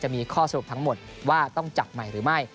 มีข้อสรุปทั้งหมดว่าต้องจับใหม่หรือไม่